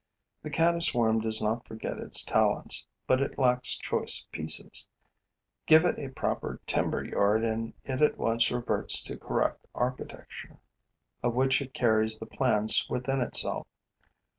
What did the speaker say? The caddis worm does not forget its talents; but it lacks choice pieces. Give it a proper timber yard and it at once reverts to correct architecture, of which it carries the plans within itself.